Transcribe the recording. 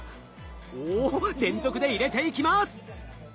おおっ連続で入れていきます。